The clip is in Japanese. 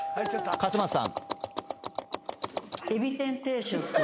勝又さん